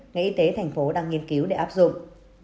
ngày y tế tp hcm đang nghiên cứu để áp dụng